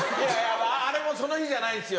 あれもその日じゃないんですよ